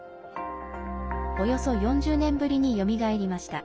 およそ４０年ぶりによみがえりました。